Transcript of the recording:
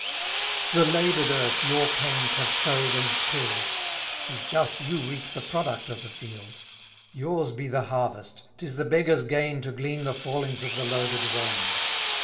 The labour'd earth your pains have sow'd and till'd; 100 'Tis just you reap the product of the field: Yours be the harvest, 'tis the beggar's gain To glean the fallings of the loaded wain.